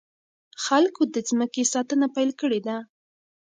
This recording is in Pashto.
خلکو د ځمکې ساتنه پيل کړې ده.